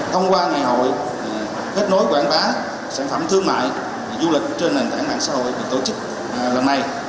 thông qua ngày hội kết nối quảng bá sản phẩm thương mại du lịch trên nền tảng mạng xã hội được tổ chức lần này